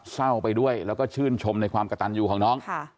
เศร้าไปด้วยแล้วก็ชื่นชมในความกระตันอยู่ของน้อง